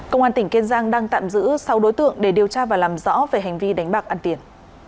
công an tỉnh kiên giang đang tạm giữ sáu đối tượng để điều tra và làm rõ về hành vi đánh bạc ăn tiền